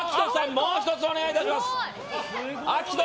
もう１つお願いします。